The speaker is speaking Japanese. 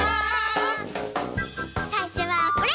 さいしょはこれ！